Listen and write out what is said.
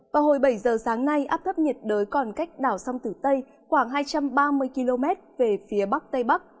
vào hồi bảy giờ sáng nay áp thấp nhiệt đới còn cách đảo sông tử tây khoảng hai trăm ba mươi km về phía bắc tây bắc